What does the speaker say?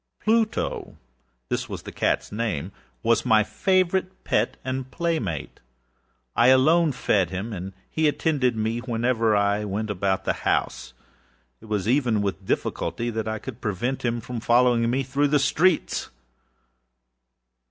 Plutoâthis was the catâs nameâwas my favorite pet and playmate. I alone fed him, and he attended me wherever I went about the house. It was even with difficulty that I could prevent him from following me through the streets.